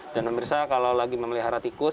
dan pemirsa kalau lagi memelihara tikus